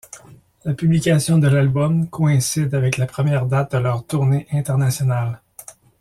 La publication de l'album coïncide avec la première date de leur tournée internationale.